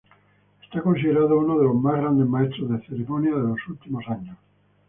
Es considerado uno de los más grandes maestros de ceremonias de los últimos años.